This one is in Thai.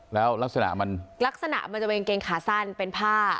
แล้วลักษณะมันลักษณะมันจะเป็นกางเกงขาสั้นเป็นผ้า